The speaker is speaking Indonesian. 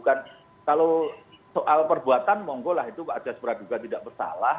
kalau soal perbuatan mohon go lah itu pak jaspera juga tidak bersalah